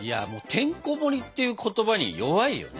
「てんこもり」っていう言葉に弱いよね。